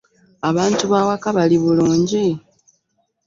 Abantu bawaka bali bulungi?